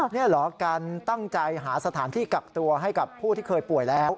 นี่เหรอการตั้งใจหาสถานที่กักตัวให้กับผู้ที่เคยป่วยแล้ว